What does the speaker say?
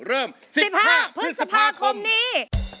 เริ่ม๑๕พฤษภาคมนี้๑๕พฤษภาคมนี้